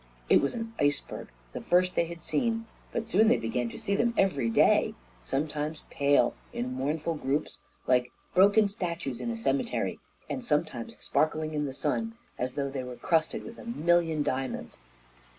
It was an iceberg the first that they had seen; but soon they began to see them every day, sometimes pale, in mournful groups, like broken statues in a cemetery, and sometimes sparkling in the sun as though they were crusted with a million diamonds.